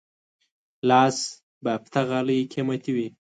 لاس بافته غالۍ قیمتي وي.